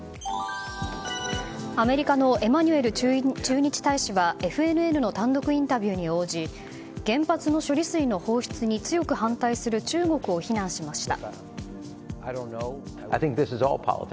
アメリカのエマニュエル駐日大使はＦＮＮの単独インタビューに応じ原発の処理水の放出に強く反対する中国を非難しました。